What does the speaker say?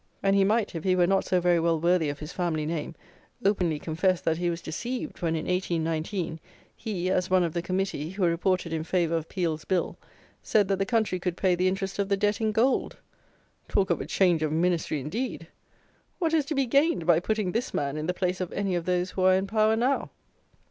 And he might, if he were not so very well worthy of his family name, openly confess that he was deceived, when, in 1819, he, as one of the Committee, who reported in favour of Peel's Bill, said that the country could pay the interest of the debt in gold! Talk of a change of Ministry, indeed! What is to be gained by putting this man in the place of any of those who are in power now?